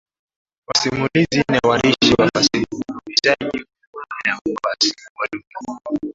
Wasimulizi na waandishi wa fasihi huhitaji kuwa na ukwasi wa lugha.